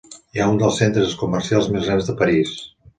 Hi ha un dels centres comercials més grans de París.